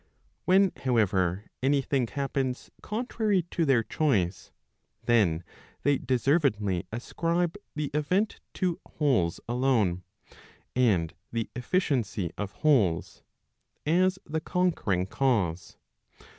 When, however, any thing happens contrary to their choice, then they deservedly ascribe the event to wholes alone, and the efficiency of wholes, as the conquering cause.